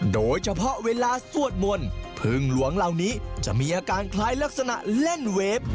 โดยเฉพาะเวลาสวดมนต์พึ่งหลวงเหล่านี้จะมีอาการคล้ายลักษณะเล่นเวฟ